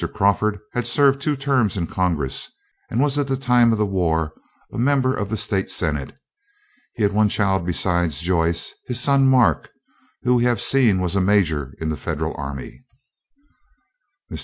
Crawford had served two terms in Congress, and was at the time of the war a member of the state senate. He had one child besides Joyce, his son Mark, who we have seen was a major in the Federal army. Mr.